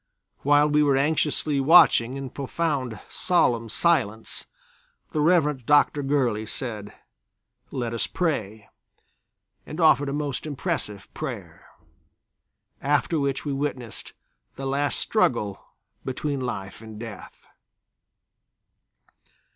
While we were anxiously watching in profound solemn silence, the Rev. Dr. Gurley said: "Let us pray," and offered a most impressive prayer. After which we witnessed the last struggle between life and death.